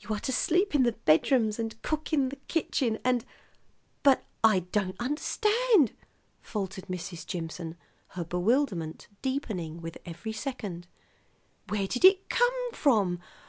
You are to sleep in the bedrooms, and cook in the kitchen, and " "But I don't understand," faltered Mrs. Jimson, her bewilderment deepening with every second. "Where did it come from?